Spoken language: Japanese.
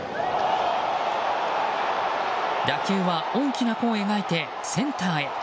打球は大きな弧を描いてセンターへ。